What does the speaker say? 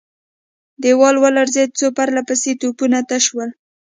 دېوال ولړزېد، څو پرله پسې توپونه تش شول.